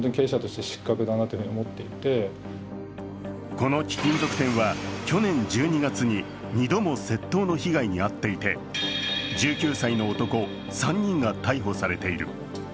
この貴金属店は去年１２月に２度も窃盗の被害に遭っていて、１９歳の男３人が逮捕されている。